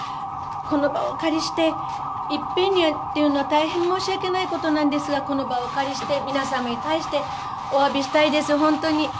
この場をお借りして、いっぺんにというのは、大変申し訳ないことなんですが、この場をお借りして、皆様に対しておわびしたいです、本当に。